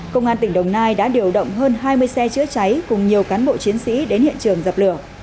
công an tỉnh đồng nai đã điều động hơn hai mươi xe chữa cháy cùng nhiều cán bộ chiến sĩ đến hiện trường dập lửa